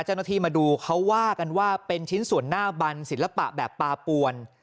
เจ้าหน้าที่มาดูเขาว่ากันว่าเป็นชิ้นส่วนหน้าบันศิลปะแบบปาปวน